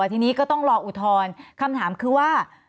ทีนี้ก็ต้องรออุทธรณ์คำถามคือว่า